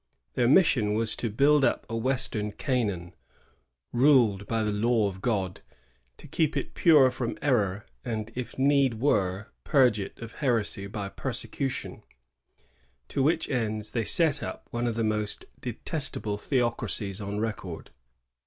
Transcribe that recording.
Their mission was to build up a western Canaan, ruled by the law of God; to keep it pure from error, and, if need were, purge it of heresy by persecution, — to which ends they set up one of the most detestable theocracies on record.